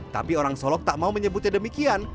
tapi orang solok tak mau menyebutnya demikian